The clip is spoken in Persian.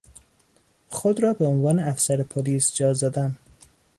خود را به عنوان افسر پلیس جا زدن